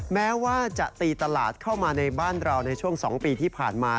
แม้ว่าจะตีตลาดเข้ามาในบ้านเราในช่วง๒ปีที่ผ่านมา